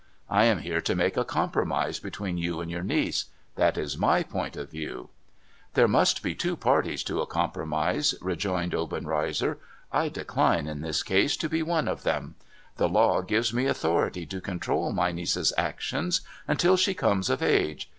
I am here to make a compromise between you and your niece — that is my point of view.' ' There must be two parties to a compromise,' rejoined Obenreizer, RISEN FROM THE DEAD 555 ' I decline, in this case, to be one of them. The law gives me authority to control my niece's actions, until she comes of age.